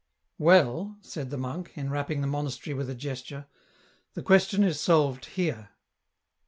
" Well," said the monk, enwrapping the monastery with a gesture, " the question is solved here.